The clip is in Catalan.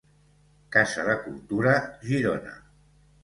Casa de Cultura, Girona.